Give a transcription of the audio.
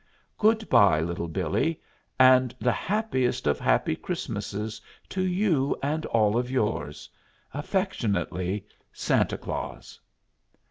Good by, Little Billee, and the happiest of happy Christmases to you and all of yours. Affectionately, SANTA CLAUS.